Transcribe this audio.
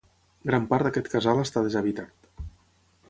Gran part d'aquest casal està deshabitat.